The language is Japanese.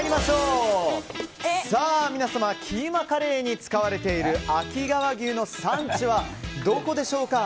皆様、キーマカレーに使われている秋川牛の産地はどこでしょうか。